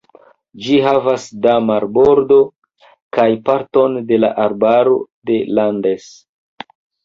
Ĝi havas da marbordo kaj parton de la arbaro de Landes.